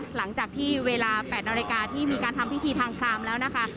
หลังจากที่เวลา๘นาฬิกาที่มีการทำพิธีทางพรามแล้วนะคะ